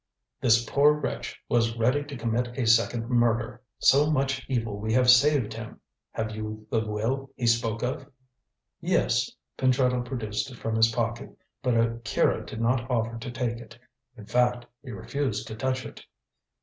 "This poor wretch was ready to commit a second murder. So much evil we have saved him. Have you the will he spoke of?" "Yes." Pentreddle produced it from his pocket, but Akira did not offer to take it. In fact, he refused to touch it.